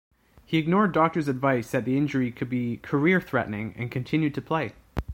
He ignored doctors' advice that the injury could be career-threatening and continued to play.